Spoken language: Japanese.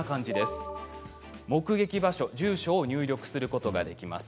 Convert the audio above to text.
目撃場所、住所を入力することができます。